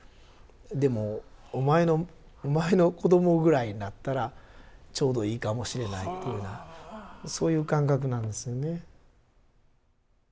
「でもお前の子供ぐらいになったらちょうどいいかもしれない」というようなそういう感覚なんですよね。